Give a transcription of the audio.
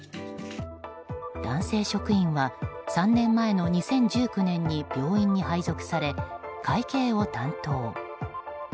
男性職員は３年前の２０１９年に病院に配属され、会計を担当。